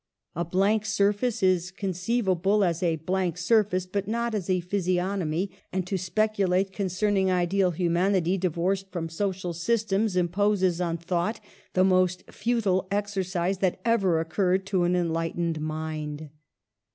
A blank surface is conceivable as a blank surface, but not as a physiognomy ; and to speculate concerning ideal humanity divorced from social systems, imposes on thought the most futile exercise that ever occurred to an enlightened mind.